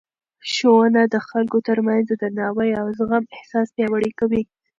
ښوونه د خلکو ترمنځ د درناوي او زغم احساس پیاوړی کوي.